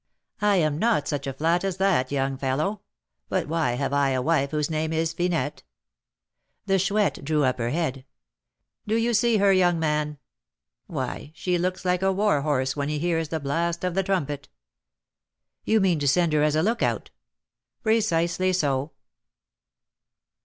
"I am not such a flat as that, young fellow; but why have I a wife whose name is Finette?" The Chouette drew up her head. "Do you see her, young man? Why, she looks like a war horse when he hears the blast of the trumpet!" "You mean to send her as a lookout?" "Precisely so."